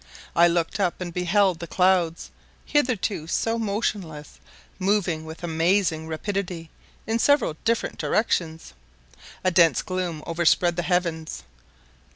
I looked up, and beheld the clouds, hitherto so motionless, moving with amazing rapidity in several different directions. A dense gloom overspread the heavens.